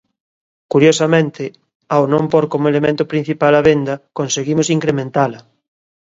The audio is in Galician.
Curiosamente, ao non pór como elemento principal a venda, conseguimos incrementala.